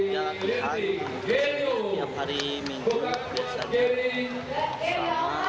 latihan setiap hari minggu biasanya